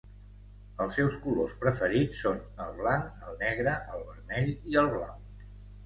Els seus colors preferits són el blanc, el negre, el vermell i el blau.